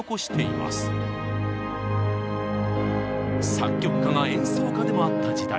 作曲家が演奏家でもあった時代。